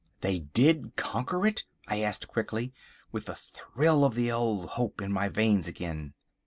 "They did conquer it?" I asked quickly, with a thrill of the old hope in my veins again.